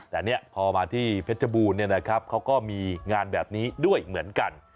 แต่นี่พอมาที่เพชรบูรณ์เนี่ยนะครับเขาก็มีงานแบบนี้ด้วยเหมือนกัน